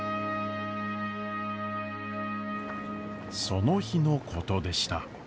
その日のことでした。